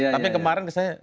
tapi kemarin biasanya